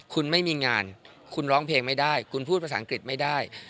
คุณไม่มีงานคุณร้องเพลงไม่ได้คุณพูดภาษาอังกฤษไม่ได้